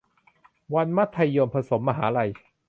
วัยมัธยมผสมมหาลัย